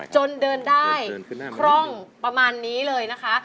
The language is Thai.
จนเดินได้คร่องประมาณนี้เลยนะคะ